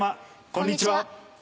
こんにちは。